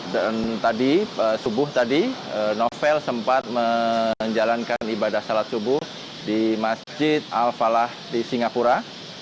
dan tadi subuh tadi novel sempat menjalankan ibadah salat subuh di masjid al falah di singapura